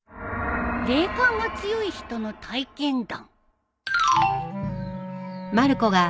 『霊感が強い人の体験談』